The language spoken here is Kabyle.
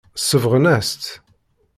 Sebɣen-as-tt.